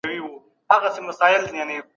علم د انسان د فکر رڼا ده.